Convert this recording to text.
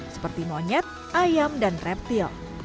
seperti monyet ayam dan reptil